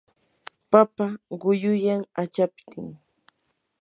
papa quyuyan achaptin.